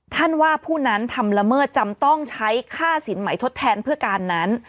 ว่าผู้นั้นทำละเมิดจำต้องใช้ค่าสินใหม่ทดแทนเพื่อการนั้น